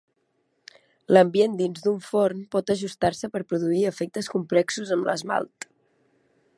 L'ambient dins d'un forn pot ajustar-se per produir efectes complexos en l'esmalt.